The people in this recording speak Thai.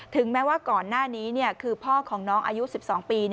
แม้ว่าก่อนหน้านี้คือพ่อของน้องอายุ๑๒ปี